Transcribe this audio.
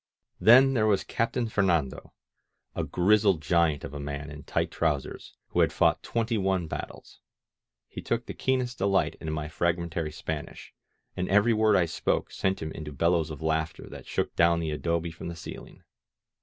Then there was Captain Fernando, a grizzled giant of a man in tight trousers, who had fought twenty one battles. He took the keenest delight in my frag mentary Spanish, and every word I spoke sent him into bellows of laughter that shook down the adobe from the ceiling.